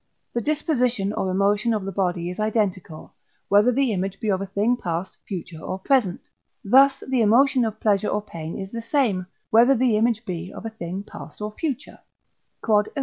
the disposition or emotion of the body is identical, whether the image be of a thing past, future, or present. Thus the emotion of pleasure or pain is the same, whether the image be of a thing past or future. Q.E.